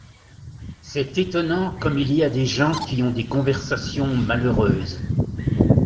C’est étonnant comme il y a des gens qui ont des conversations malheureuses !